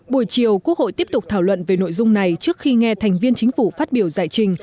buổi chiều quốc hội tiếp tục thảo luận về nội dung này trước khi nghe thành viên chính phủ phát biểu giải trình